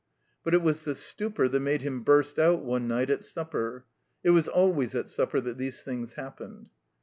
But it was the stupor that made him burst out one night (at supper; it was always at supper that these things happened).